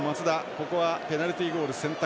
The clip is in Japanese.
ここはペナルティーゴール選択。